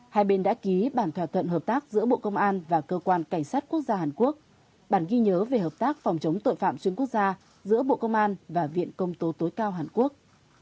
hai bên đã ký bản thỏa thuận hợp tác giữa bộ công an và cơ quan cảnh sát quốc gia hàn quốc bản ghi nhớ về hợp tác phòng chống tội phạm xuyên quốc gia giữa bộ công an và viện công tố tối cao hàn quốc